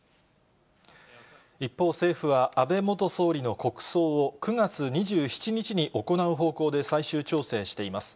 一方、政府は安倍元総理の国葬を、９月２７日に行う方向で最終調整しています。